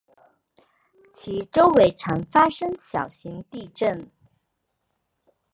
其周围常发生小型地震。